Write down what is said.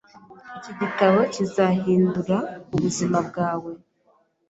Iki gitabo kizahindura ubuzima bwawe.